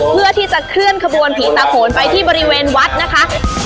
เพื่อที่จะเคลื่อนขบวนผีตาโขนไปที่บริเวณวัดนะคะ